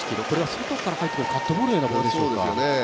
外から入ってくるカットボールのようなボールでしょうか。